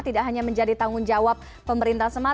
tidak hanya menjadi tanggung jawab pemerintah